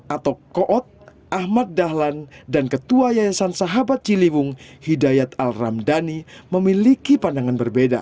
atau koot ahmad dahlan dan ketua yayasan sahabat ciliwung hidayat al ramdhani memiliki pandangan berbeda